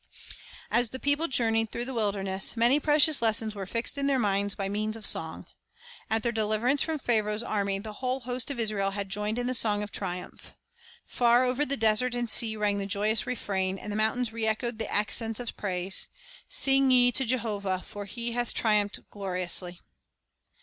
1 As the people journeyed through the wilderness, many precious lessons were fixed in their minds by means of song. At their deliverance from Pharaoh's army the whole host of Israel had joined in the song of triumph. Far over desert and sea rang the joyous refrain, and the mountains re echoed the accents of praise, "Sing ye to Jehovah, for He hath triumphed gloriously."